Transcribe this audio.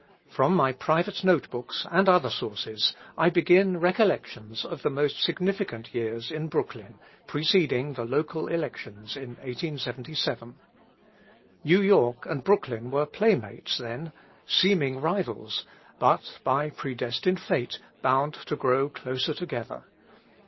From my private note books and other sources I begin recollections of the most significant years in Brooklyn, preceding the local elections in 1877. New York and Brooklyn were playmates then, seeming rivals, but by predestined fate bound to grow closer together.